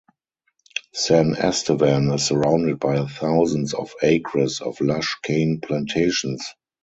San Estevan is surrounded by thousands of acres of lush cane plantations.